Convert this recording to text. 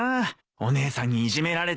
お姉さんにいじめられて。